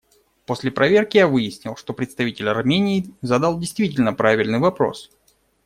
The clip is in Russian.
После проверки я выяснил, что представитель Армении задал действительно правильный вопрос.